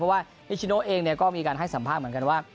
เพราะว่านิชโนเองก็มีการให้สัมภาษณ์เหมือนกันว่า